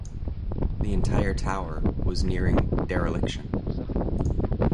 The entire tower was nearing dereliction.